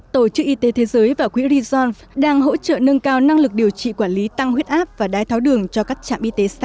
tổ chức y tế thế giới và quỹ resort đang hỗ trợ nâng cao năng lực điều trị quản lý tăng huyết áp và đái tháo đường cho các trạm y tế xã